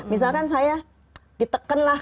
misalkan saya diteken lah